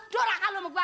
dorakan lu sama gua